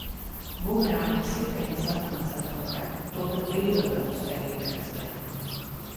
Bumeranga sitiens atnāca atpakaļ. To pat Bībele nav spējīga aizliegt.